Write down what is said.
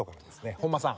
本間さん。